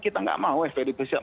kita nggak mau fpi diperiksa